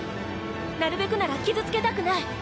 なるべくなら傷つけたくない。